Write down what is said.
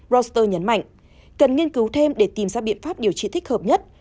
roster nhấn mạnh cần nghiên cứu thêm để tìm ra biện pháp điều trị thích hợp nhất